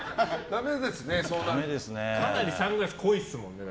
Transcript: かなりサングラス濃いですもんね。